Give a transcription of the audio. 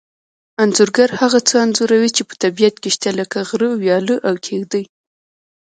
انځورګر هغه څه انځوروي چې په طبیعت کې شته لکه غره ویاله او کېږدۍ